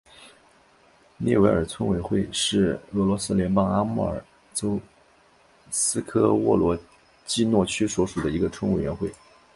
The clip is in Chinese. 涅韦尔村委员会是俄罗斯联邦阿穆尔州斯科沃罗季诺区所属的一个村委员会。